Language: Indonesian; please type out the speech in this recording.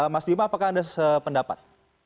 mas bima apakah anda sependapat